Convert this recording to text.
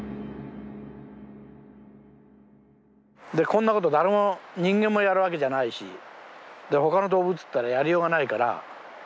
こんなこと誰も人間もやるわけじゃないし他の動物っていうのはやりようがないから。